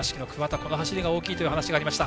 この走りが大きいという話がありました。